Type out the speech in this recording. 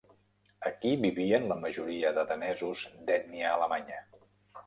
Aquí vivien la majoria de danesos d'ètnia alemanya.